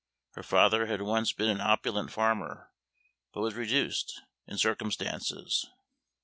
Her father had once been an opulent farmer, but was reduced in circumstances.